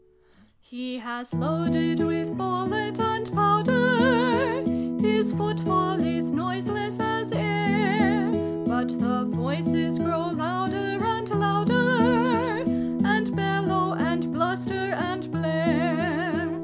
267 He has loaded with bullet and powder : His footfall is noiseless as air : But the Voices groiv louder and louder. And bellow, and bluster, and blare.